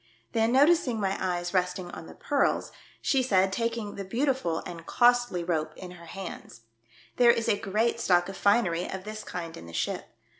Then, noticing my eyes resting on the pearls, she said, taking the beautiful and costly rope in her hands, " There Is a great stock of finery of this kind in the ship.